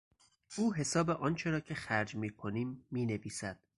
او حساب آنچه را که خرج میکنیم مینویسد.